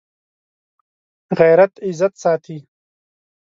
غیرت عزت ساتي